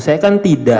saya kan tidak